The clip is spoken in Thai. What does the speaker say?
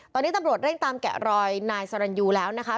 ตอนนี้ตำรวจเร่งตามแกะรอยนายสรรยูแล้วนะคะ